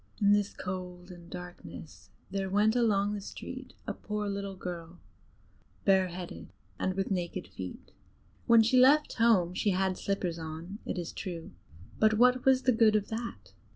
In this cold and darkness there went along the street a poor little girl, bareheaded, and with naked feet. When she left home she had slippers on, it is true; but what was the good of that?